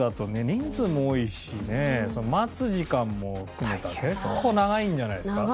人数も多いしね待つ時間も含めたら結構長いんじゃないですか？